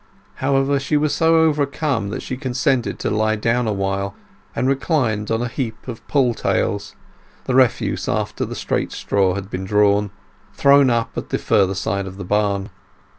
However, she was so overcome that she consented to lie down awhile, and reclined on a heap of pull tails—the refuse after the straight straw had been drawn—thrown up at the further side of the barn.